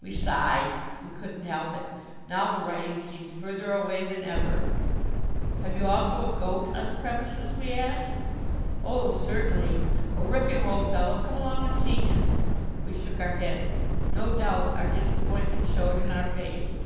We sighed. We couldn't help it. Novel writing seemed further away than ever. "Have you also a goat on the premises?" we asked. "Oh, certainly. A ripping old fellow come along and see him." We shook our heads. No doubt our disappointment showed in our face.